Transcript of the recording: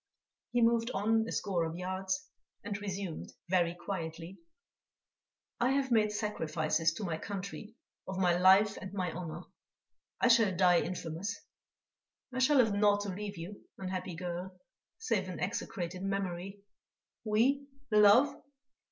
He moved on a score of yards, and resumed, very quietly: "I have made sacrifices to my country of my life and my honour. I shall die infamous; I shall have naught to leave you, unhappy girl, save an execrated memory.... We, love?